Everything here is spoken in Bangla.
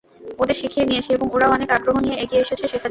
ওদের শিখিয়ে নিয়েছি এবং ওরাও অনেক আগ্রহ নিয়ে এগিয়ে এসেছে শেখার জন্য।